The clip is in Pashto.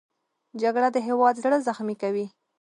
جګړه د هېواد زړه زخمي کوي